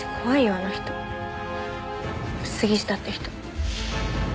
あの人杉下って人。